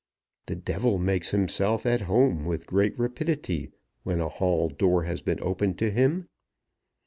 The Devil makes himself at home with great rapidity when the hall door has been opened to him.